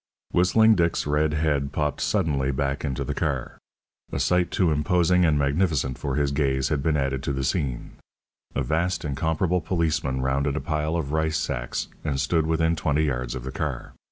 Whistling Dick's red head popped suddenly back into the car. A sight too imposing and magnificent for his gaze had been added to the scene. A vast, incomparable policeman rounded a pile of rice sacks and stood within twenty yards of the car.